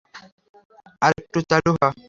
আরেকটু চালু হ!